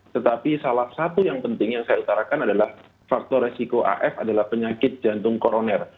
tetapi salah satu yang penting yang saya utarakan adalah faktor resiko af adalah penyakit jantung koroner